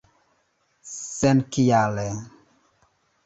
senkiale